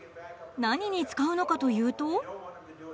何に使うのかというと。